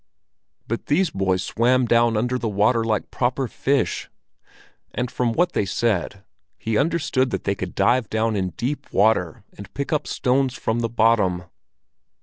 But these boys swam down under the water like proper fish, and from what they said he understood that they could dive down in deep water and pick up stones from the bottom.